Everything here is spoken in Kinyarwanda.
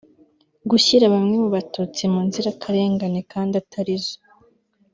Gushyira bamwe mu batutsi mu nzirakarengane (victime) kdi atari zo